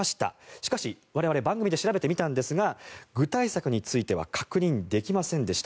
しかし、我々番組で調べてみたんですが具体策については確認できませんでした。